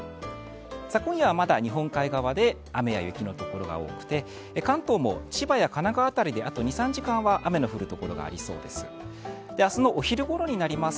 今夜はまだ日本海側で雨や雪のところが多くて、関東も千葉や神奈川辺りであと２３時間は雨が降る所が多そうです。